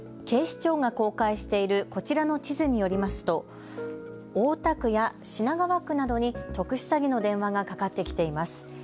警視庁が公開しているこちらの地図によりますと大田区や品川区などに特殊詐欺の電話がかかってきています。